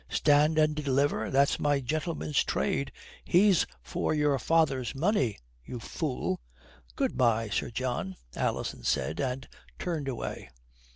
'Stand and deliver,' that's my gentleman's trade. He's for your father's money, you fool." "Good bye, Sir John," Alison said, and turned away.